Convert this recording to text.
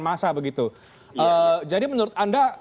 kekuasaan jadi menurut anda